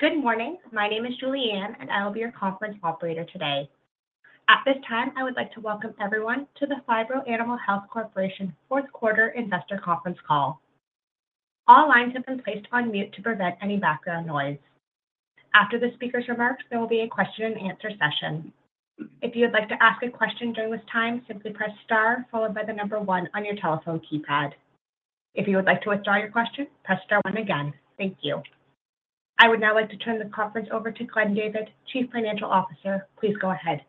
Good morning. My name is Julianne, and I will be your conference operator today. At this time, I would like to welcome everyone to the Phibro Animal Health Corporation fourth quarter investor conference call. All lines have been placed on mute to prevent any background noise. After the speaker's remarks, there will be a question and answer session. If you would like to ask a question during this time, simply press star followed by the number one on your telephone keypad. If you would like to withdraw your question, press star one again. Thank you. I would now like to turn the conference over to Glenn David, Chief Financial Officer. Please go ahead.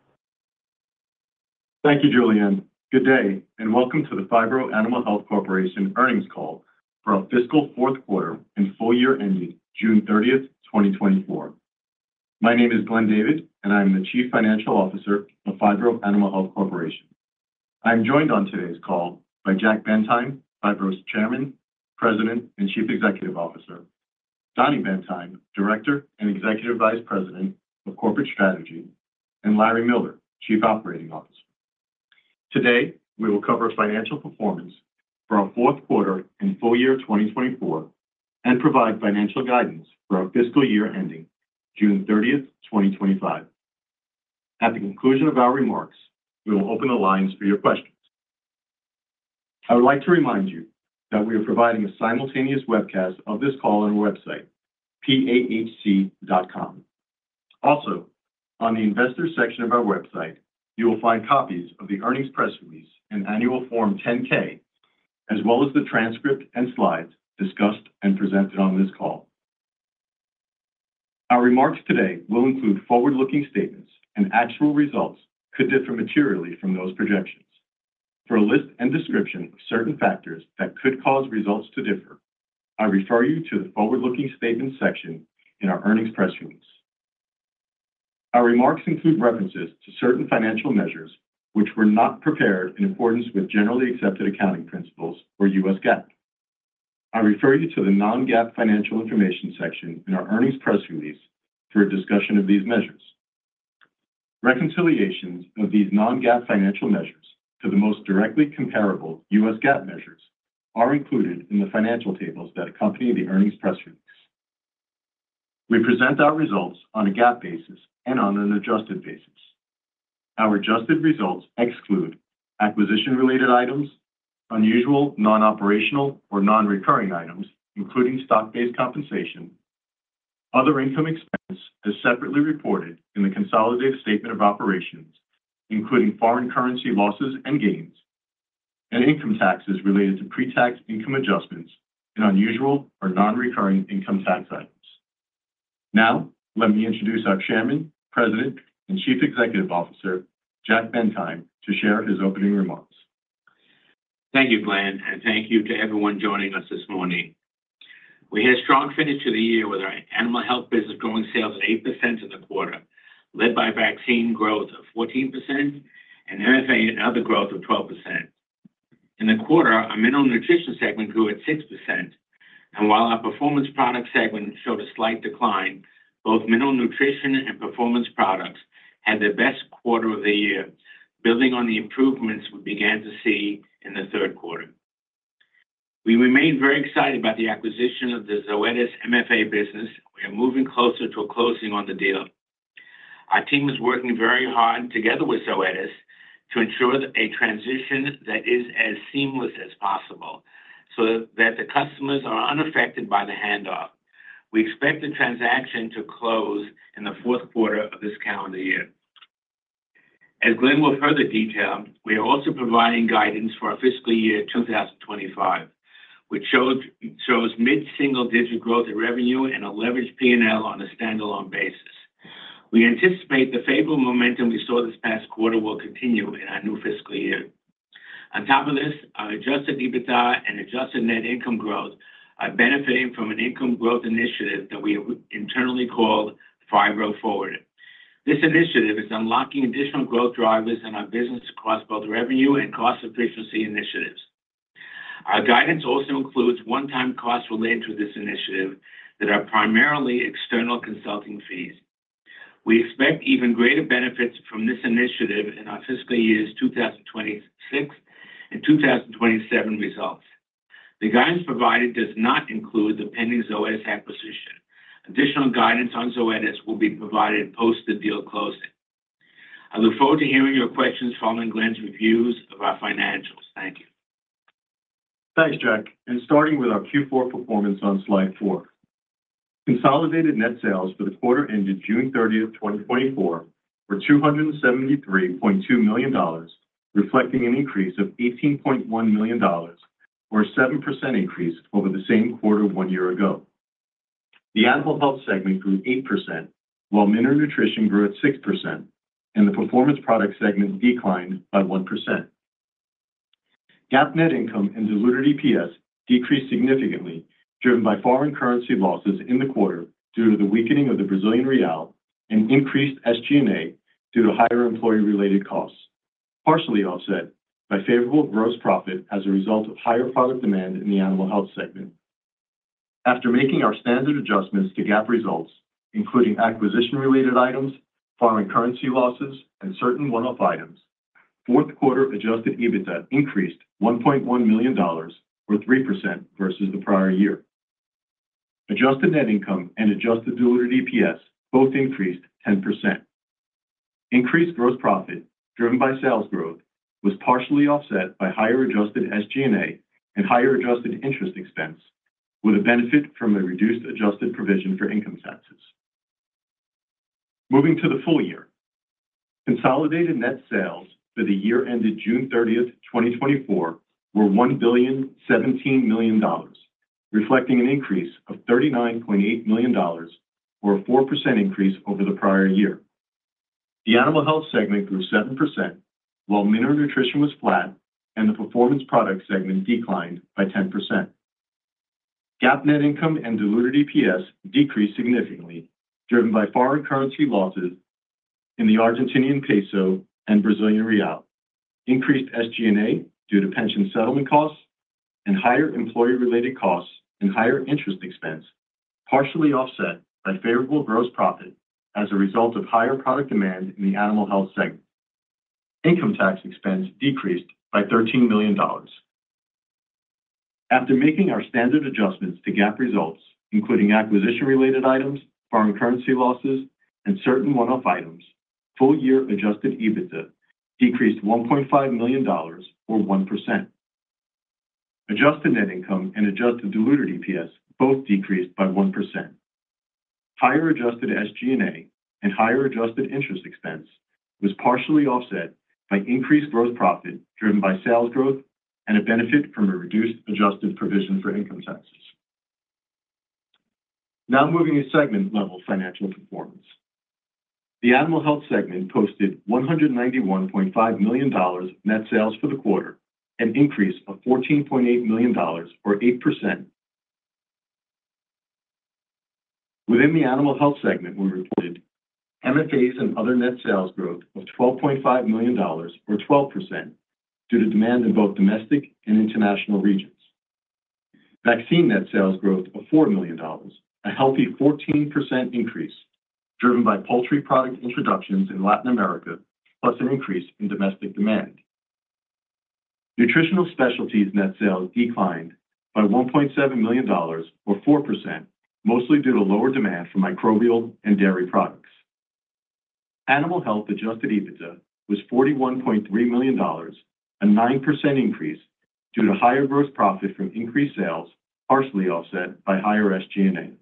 Thank you, Julianne. Good day, and welcome to the Phibro Animal Health Corporation earnings call for our fiscal fourth quarter and full year ending June thirtieth, twenty twenty-four. My name is Glenn David, and I'm the Chief Financial Officer of Phibro Animal Health Corporation. I'm joined on today's call by Jack Bentheim, Phibro's Chairman, President, and Chief Executive Officer, Dani Bentheim, Director and Executive Vice President of Corporate Strategy, and Larry Miller, Chief Operating Officer. Today, we will cover financial performance for our fourth quarter and full year twenty twenty-four, and provide financial guidance for our fiscal year ending June thirtieth, twenty twenty-five. At the conclusion of our remarks, we will open the lines for your questions. I would like to remind you that we are providing a simultaneous webcast of this call on our website, pahc.com. Also, on the investor section of our website, you will find copies of the earnings press release and Annual Form 10-K, as well as the transcript and slides discussed and presented on this call. Our remarks today will include forward-looking statements, and actual results could differ materially from those projections. For a list and description of certain factors that could cause results to differ, I refer you to the forward-looking statements section in our earnings press release. Our remarks include references to certain financial measures, which were not prepared in accordance with generally accepted accounting principles or US GAAP. I refer you to the non-GAAP financial information section in our earnings press release for a discussion of these measures. Reconciliations of these non-GAAP financial measures to the most directly comparable US GAAP measures are included in the financial tables that accompany the earnings press release. We present our results on a GAAP basis and on an adjusted basis. Our adjusted results exclude acquisition-related items, unusual non-operational or non-recurring items, including stock-based compensation. Other income expense is separately reported in the consolidated statement of operations, including foreign currency losses and gains, and income taxes related to pre-tax income adjustments and unusual or non-recurring income tax items. Now, let me introduce our Chairman, President, and Chief Executive Officer, Jack Bentheim, to share his opening remarks. Thank you, Glenn, and thank you to everyone joining us this morning. We had a strong finish to the year with our animal health business growing sales at 8% in the quarter, led by vaccine growth of 14% and MFA and other growth of 12%. In the quarter, our mineral nutrition segment grew at 6%, and while our performance products segment showed a slight decline, both mineral nutrition and performance products had their best quarter of the year, building on the improvements we began to see in the third quarter. We remain very excited about the acquisition of the Zoetis MFA business. We are moving closer to a closing on the deal. Our team is working very hard together with Zoetis to ensure that a transition that is as seamless as possible so that the customers are unaffected by the handoff. We expect the transaction to close in the fourth quarter of this calendar year. As Glenn will further detail, we are also providing guidance for our fiscal year 2025, which shows mid-single digit growth in revenue and a leveraged PNL on a standalone basis. We anticipate the favorable momentum we saw this past quarter will continue in our new fiscal year. On top of this, our Adjusted EBITDA and Adjusted Net Income growth are benefiting from an income growth initiative that we internally call Phibro Forward. This initiative is unlocking additional growth drivers in our business across both revenue and cost efficiency initiatives. Our guidance also includes one-time costs related to this initiative that are primarily external consulting fees. We expect even greater benefits from this initiative in our fiscal years 2026 and 2027 results. The guidance provided does not include the pending Zoetis acquisition. Additional guidance on Zoetis will be provided post the deal closing. I look forward to hearing your questions following Glenn's reviews of our financials. Thank you. Thanks, Jack, and starting with our Q4 performance on slide four. Consolidated net sales for the quarter ended June thirtieth, 2024, were $273.2 million, reflecting an increase of $18.1 million, or a 7% increase over the same quarter one year ago. The animal health segment grew 8%, while mineral nutrition grew at 6%, and the performance product segment declined by 1%. GAAP net income and diluted EPS decreased significantly, driven by foreign currency losses in the quarter due to the weakening of the Brazilian real and increased SG&A due to higher employee-related costs, partially offset by favorable gross profit as a result of higher product demand in the animal health segment. After making our standard adjustments to GAAP results, including acquisition-related items, foreign currency losses, and certain one-off items... Fourth quarter adjusted EBITDA increased $1.1 million, or 3% versus the prior year. Adjusted net income and adjusted diluted EPS both increased 10%. Increased gross profit, driven by sales growth, was partially offset by higher adjusted SG&A and higher adjusted interest expense, with a benefit from a reduced adjusted provision for income taxes. Moving to the full year. Consolidated net sales for the year ended June thirtieth, 2024, were $1.017 billion, reflecting an increase of $39.8 million, or a 4% increase over the prior year. The animal health segment grew 7%, while mineral nutrition was flat, and the performance product segment declined by 10%. GAAP net income and diluted EPS decreased significantly, driven by foreign currency losses in the Argentinian peso and Brazilian real, increased SG&A due to pension settlement costs and higher employee-related costs, and higher interest expense, partially offset by favorable gross profit as a result of higher product demand in the animal health segment. Income tax expense decreased by $13 million. After making our standard adjustments to GAAP results, including acquisition-related items, foreign currency losses, and certain one-off items, full-year adjusted EBITDA decreased $1.5 million, or 1%. Adjusted net income and adjusted diluted EPS both decreased by 1%. Higher adjusted SG&A and higher adjusted interest expense was partially offset by increased gross profit, driven by sales growth and a benefit from a reduced adjusted provision for income taxes. Now moving to segment-level financial performance. The Animal Health segment posted $191.5 million net sales for the quarter, an increase of $14.8 million, or 8%. Within the Animal Health segment, we reported MFAs and other net sales growth of $12.5 million, or 12%, due to demand in both domestic and international regions. Vaccine net sales growth of $4 million, a healthy 14% increase, driven by poultry product introductions in Latin America, plus an increase in domestic demand. Nutritional Specialties net sales declined by $1.7 million, or 4%, mostly due to lower demand for microbial and dairy products. Animal Health Adjusted EBITDA was $41.3 million, a 9% increase, due to higher gross profit from increased sales, partially offset by higher SG&A.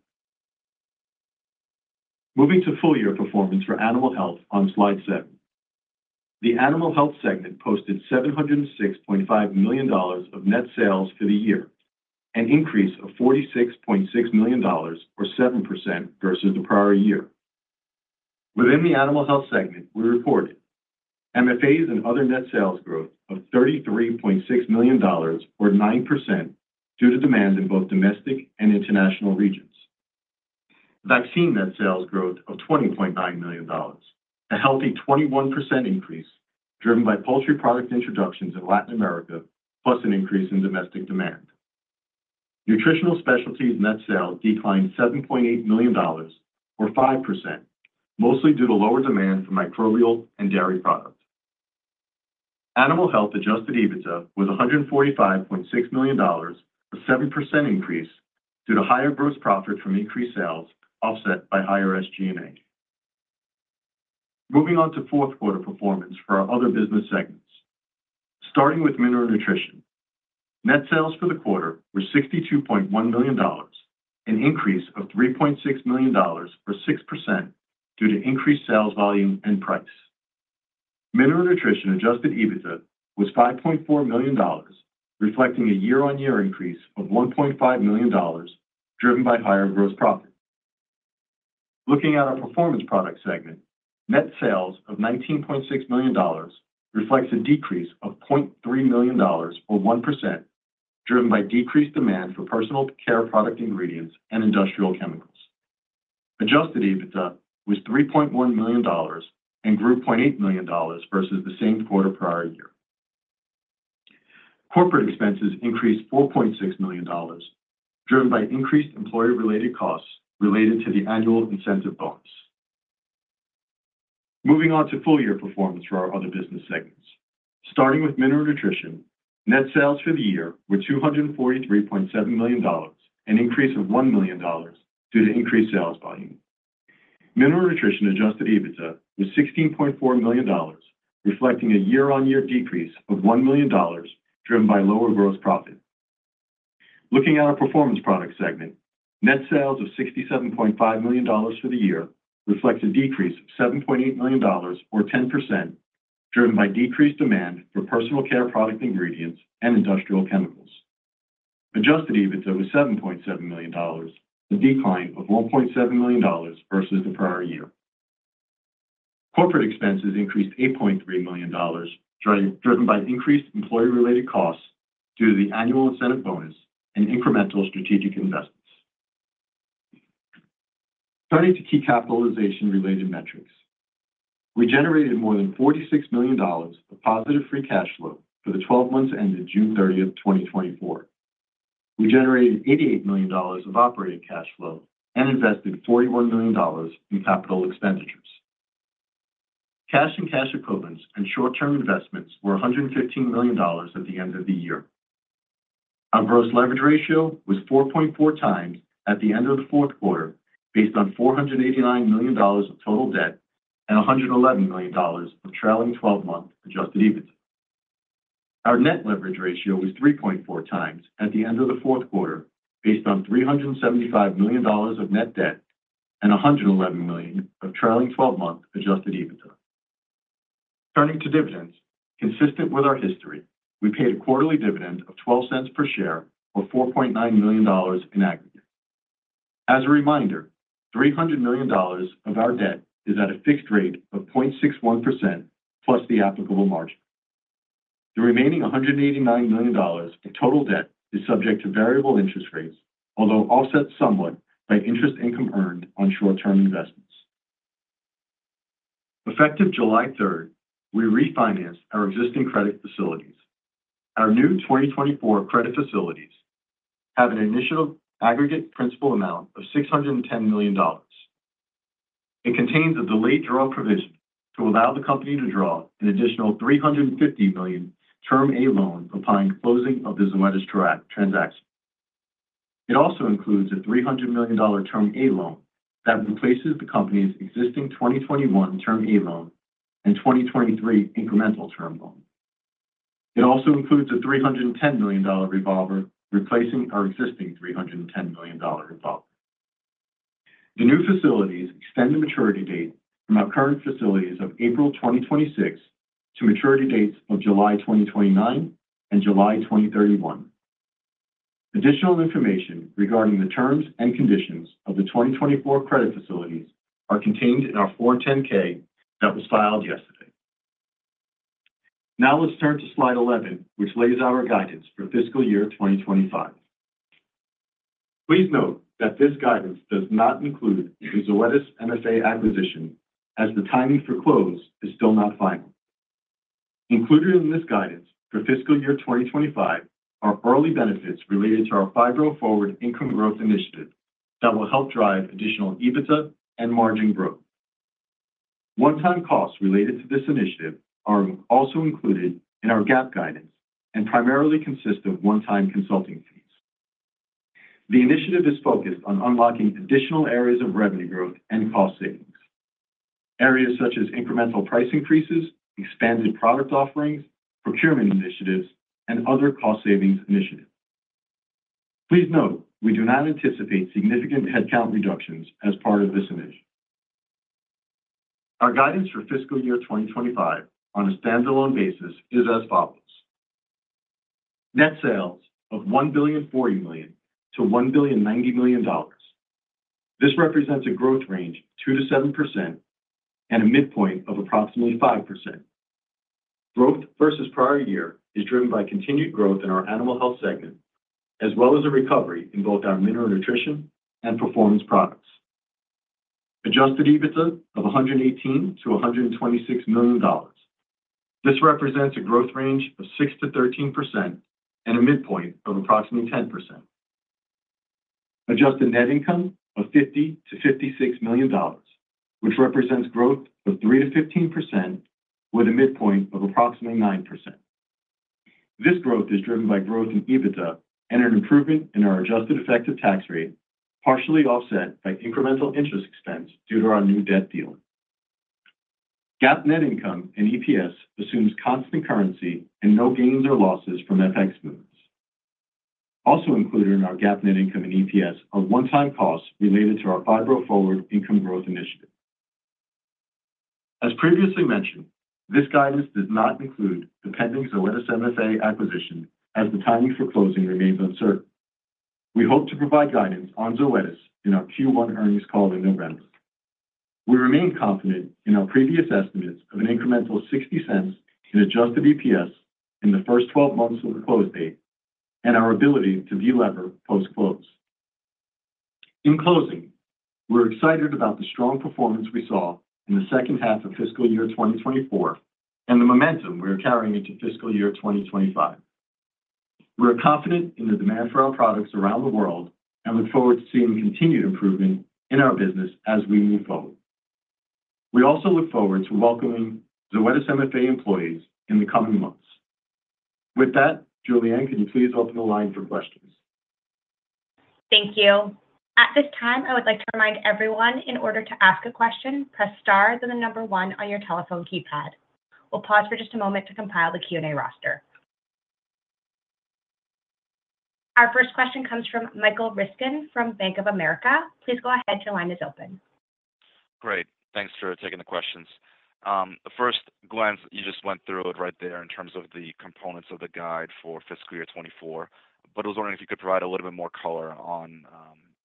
Moving to full year performance for Animal Health on Slide seven. The Animal Health segment posted $706.5 million of net sales for the year, an increase of $46.6 million, or 7%, versus the prior year. Within the Animal Health segment, we reported MFAs and other net sales growth of $33.6 million, or 9%, due to demand in both domestic and international regions. Vaccine net sales growth of $20.9 million, a healthy 21% increase, driven by poultry product introductions in Latin America, plus an increase in domestic demand. Nutritional specialties net sales declined $7.8 million, or 5%, mostly due to lower demand for microbial and dairy products. Animal Health Adjusted EBITDA was $145.6 million, a 7% increase, due to higher gross profit from increased sales offset by higher SG&A. Moving on to fourth quarter performance for our other business segments. Starting with mineral nutrition. Net sales for the quarter were $62.1 million, an increase of $3.6 million, or 6%, due to increased sales volume and price. Mineral nutrition Adjusted EBITDA was $5.4 million, reflecting a year-on-year increase of $1.5 million, driven by higher gross profit. Looking at our performance product segment, net sales of $19.6 million reflects a decrease of $0.3 million, or 1%, driven by decreased demand for personal care product ingredients and industrial chemicals. Adjusted EBITDA was $3.1 million and grew $0.8 million versus the same quarter prior year. Corporate expenses increased $4.6 million, driven by increased employee-related costs related to the annual incentive bonus. Moving on to full year performance for our other business segments. Starting with mineral nutrition, net sales for the year were $243.7 million, an increase of $1 million due to increased sales volume. Mineral nutrition adjusted EBITDA was $16.4 million, reflecting a year-on-year decrease of $1 million, driven by lower gross profit. Looking at our performance product segment, net sales of $67.5 million for the year reflects a decrease of $7.8 million, or 10%, driven by decreased demand for personal care product ingredients and industrial chemicals. Adjusted EBITDA was $7.7 million, a decline of $1.7 million versus the prior year. Corporate expenses increased $8.3 million, driven by increased employee-related costs due to the annual incentive bonus and incremental strategic investments. Turning to key capitalization-related metrics. We generated more than $46 million of positive free cash flow for the twelve months ended June 30, 2024. We generated $88 million of operating cash flow and invested $41 million in capital expenditures. Cash and cash equivalents and short-term investments were $115 million at the end of the year. Our gross leverage ratio was 4.4 times at the end of the fourth quarter, based on $489 million of total debt and $111 million of trailing twelve-month adjusted EBITDA. Our net leverage ratio was 3.4 times at the end of the fourth quarter, based on $375 million of net debt and $111 million of trailing twelve-month adjusted EBITDA. Turning to dividends, consistent with our history, we paid a quarterly dividend of $0.12 per share, or $4.9 million in aggregate. As a reminder, $300 million of our debt is at a fixed rate of 0.61%, plus the applicable margin. The remaining $189 million in total debt is subject to variable interest rates, although offset somewhat by interest income earned on short-term investments. Effective July third, we refinanced our existing credit facilities. Our new 2024 credit facilities have an initial aggregate principal amount of $610 million. It contains a delayed draw provision to allow the company to draw an additional $350 million Term A loan upon closing of the Zoetis direct transaction. It also includes a $300 million Term A loan that replaces the company's existing 2021 Term A loan and 2023 incremental term loan. It also includes a $310 million revolver, replacing our existing $310 million revolver. The new facilities extend the maturity date from our current facilities of April 2026 to maturity dates of July 2029 and July 2031. Additional information regarding the terms and conditions of the 2024 credit facilities are contained in our Form 10-K that was filed yesterday. Now, let's turn to slide 11, which lays out our guidance for fiscal year 2025. Please note that this guidance does not include the Zoetis MFA acquisition, as the timing for close is still not final. Included in this guidance for fiscal year 2025 are early benefits related to our Phibro Forward Income Growth Initiative that will help drive additional EBITDA and margin growth. One-time costs related to this initiative are also included in our GAAP guidance and primarily consist of one-time consulting fees. The initiative is focused on unlocking additional areas of revenue growth and cost savings. Areas such as incremental price increases, expanded product offerings, procurement initiatives, and other cost savings initiatives. Please note, we do not anticipate significant headcount reductions as part of this initiative. Our guidance for fiscal year 2025 on a standalone basis is as follows: Net sales of $1.04 billion-$1.09 billion. This represents a growth range 2%-7% and a midpoint of approximately 5%. Growth versus prior year is driven by continued growth in our animal health segment, as well as a recovery in both our mineral nutrition and performance products. Adjusted EBITDA of $118-$126 million. This represents a growth range of 6%-13% and a midpoint of approximately 10%. Adjusted net income of $50-$56 million, which represents growth of 3%-15%, with a midpoint of approximately 9%. This growth is driven by growth in EBITDA and an improvement in our adjusted effective tax rate, partially offset by incremental interest expense due to our new debt deal. GAAP net income and EPS assumes constant currency and no gains or losses from FX movements. Also included in our GAAP net income and EPS are one-time costs related to our Phibro Forward Income Growth Initiative. As previously mentioned, this guidance does not include the pending Zoetis MFA acquisition, as the timing for closing remains uncertain. We hope to provide guidance on Zoetis in our Q1 earnings call in November. We remain confident in our previous estimates of an incremental $0.60 in adjusted EPS in the first twelve months of the close date and our ability to delever post-close. In closing, we're excited about the strong performance we saw in the second half of fiscal year 2024 and the momentum we are carrying into fiscal year 2025. We're confident in the demand for our products around the world and look forward to seeing continued improvement in our business as we move forward. We also look forward to welcoming Zoetis MFA employees in the coming months. With that, Julianne, can you please open the line for questions? Thank you. At this time, I would like to remind everyone in order to ask a question, press star, then the number one on your telephone keypad. We'll pause for just a moment to compile the Q&A roster. Our first question comes from Michael Ryskin from Bank of America. Please go ahead, your line is open. Great. Thanks for taking the questions. First glance, you just went through it right there in terms of the components of the guide for fiscal year 2024, but I was wondering if you could provide a little bit more color on,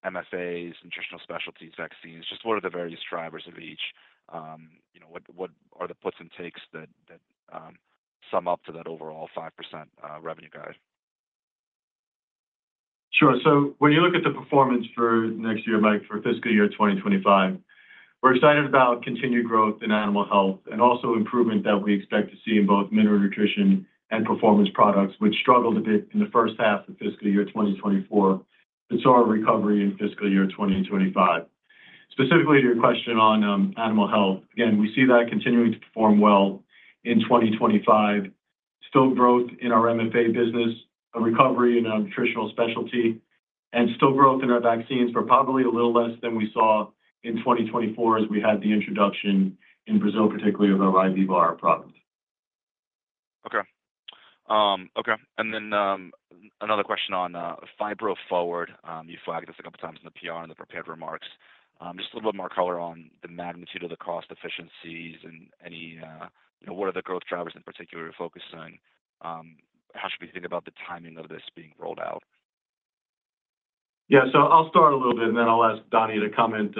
MFAs, nutritional specialties, vaccines, just what are the various drivers of each? You know, what are the puts and takes that sum up to that overall 5% revenue guide? Sure. When you look at the performance for next year, Mike, for fiscal year 2025, we're excited about continued growth in animal health, and also improvement that we expect to see in both mineral nutrition and performance products, which struggled a bit in the first half of fiscal year 2024, and saw a recovery in fiscal year 2025. Specifically, to your question on animal health, again, we see that continuing to perform well in 2025. Still growth in our MFA business, a recovery in our nutritional specialty, and still growth in our vaccines, but probably a little less than we saw in 2024 as we had the introduction in Brazil, particularly with our live virus products. Okay, and then another question on Phibro Forward. You flagged this a couple of times in the PR and the prepared remarks. Just a little bit more color on the magnitude of the cost efficiencies and any, you know, what are the growth drivers in particular you're focused on? How should we think about the timing of this being rolled out? Yeah, so I'll start a little bit, and then I'll ask Dani to comment,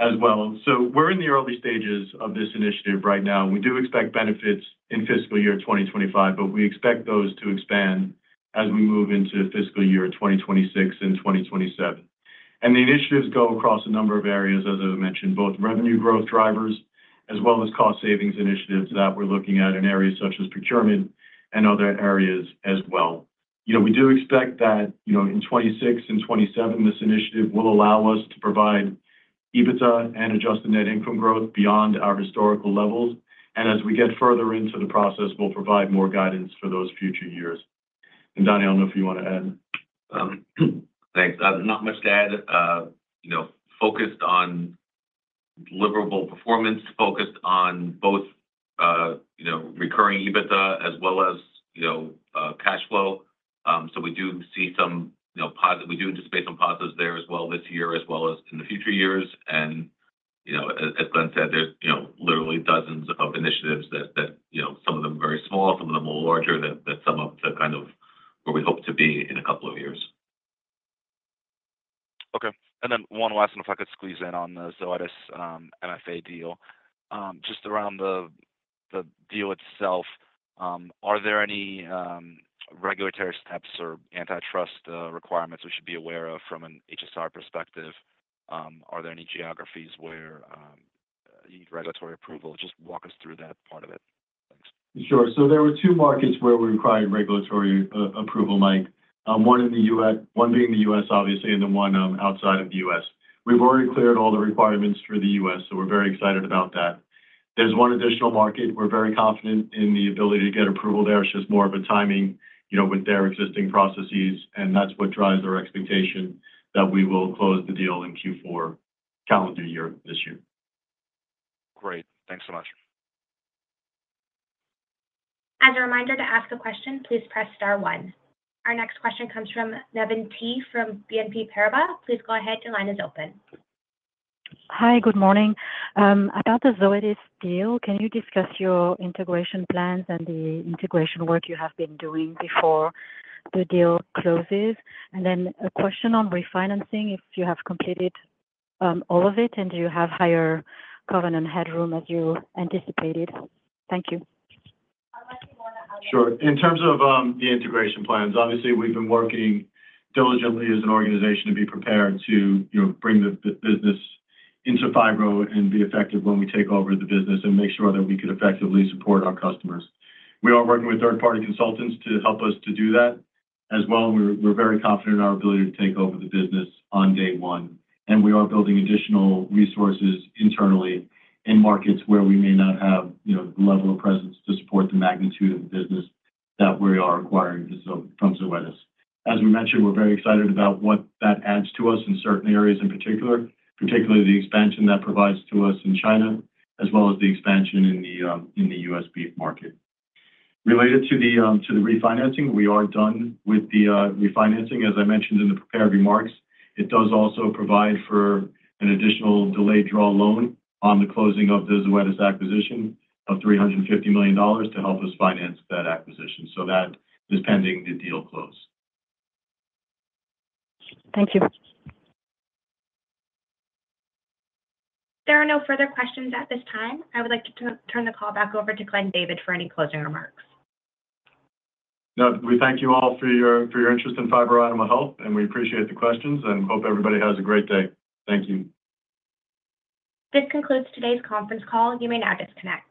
as well. We're in the early stages of this initiative right now, and we do expect benefits in fiscal year 2025, but we expect those to expand as we move into fiscal year 2026 and 2027. The initiatives go across a number of areas, as I mentioned, both revenue growth drivers as well as cost savings initiatives that we're looking at in areas such as procurement and other areas as well. You know, we do expect that, you know, in 2026 and 2027, this initiative will allow us to provide EBITDA and adjusted net income growth beyond our historical levels. As we get further into the process, we'll provide more guidance for those future years. Donny, I don't know if you want to add. Thanks. Not much to add. You know, focused on deliverable performance, focused on both, you know, recurring EBITDA as well as, you know, cash flow. So we do see some, you know, we do anticipate some positives there as well this year, as well as in the future years. You know, as Glenn said, there's, you know, literally dozens of initiatives that, you know, some of them very small, some of them are larger than, than some of the kind of where we hope to be in a couple of years. Okay. And then one last one, if I could squeeze in on the Zoetis MFA deal. Just around the deal itself, are there any regulatory steps or antitrust requirements we should be aware of from an HSR perspective? Are there any geographies where you need regulatory approval? Just walk us through that part of it. Thanks. Sure. So there were two markets where we required regulatory approval, Mike. One being the U.S., obviously, and then one outside of the U.S. We've already cleared all the requirements for the U.S., so we're very excited about that. There's one additional market. We're very confident in the ability to get approval there. It's just more of a timing, you know, with their existing processes, and that's what drives our expectation that we will close the deal in Q4 calendar year this year. Great. Thanks so much. As a reminder, to ask a question, please press star one. Our next question comes from Navann Ty from BNP Paribas. Please go ahead. Your line is open. Hi, good morning. About the Zoetis deal, can you discuss your integration plans and the integration work you have been doing before the deal closes? And then a question on refinancing, if you have completed all of it, and do you have higher covenant headroom as you anticipated? Thank you. Sure. In terms of the integration plans, obviously, we've been working diligently as an organization to be prepared to, you know, bring the business into Phibro and be effective when we take over the business and make sure that we could effectively support our customers. We are working with third-party consultants to help us to do that as well, and we're very confident in our ability to take over the business on day one. We are building additional resources internally in markets where we may not have, you know, the level of presence to support the magnitude of the business that we are acquiring from Zoetis. As we mentioned, we're very excited about what that adds to us in certain areas in particular, particularly the expansion that provides to us in China, as well as the expansion in the U.S. beef market. Related to the refinancing, we are done with the refinancing. As I mentioned in the prepared remarks, it does also provide for an additional delayed draw loan on the closing of the Zoetis acquisition of $350 million to help us finance that acquisition. So that is pending the deal close. Thank you. There are no further questions at this time. I would like to turn the call back over to Glenn David for any closing remarks. No, we thank you all for your interest in Phibro Animal Health, and we appreciate the questions and hope everybody has a great day. Thank you. This concludes today's conference call. You may now disconnect.